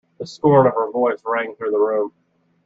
The scorn of her voice rang through the room.